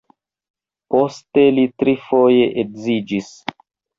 Poste li trifoje edziĝis.